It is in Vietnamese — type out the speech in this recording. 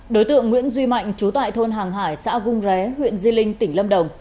đối tượng nguyễn duy mạnh trú tại thôn hàng hải xã hung ré huyện di linh tỉnh lâm đồng